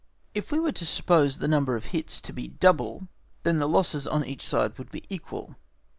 If we were to suppose the number of hits to be double, then the losses on each side would be equal.